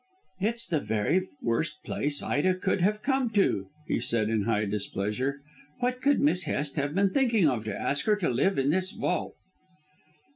"It's the very worst place Ida could have come to," he said in high displeasure. "What could Miss Hest have been thinking of, to ask her to live in this vault."